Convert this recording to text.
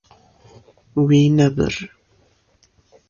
Wî nebir.